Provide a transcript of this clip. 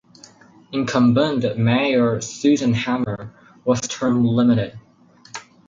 Incumbent mayor Susan Hammer was term limited.